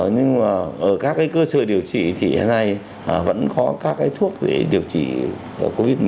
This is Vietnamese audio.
nhưng mà ở các cơ sở điều trị thì hiện nay vẫn có các thuốc để điều trị covid một mươi chín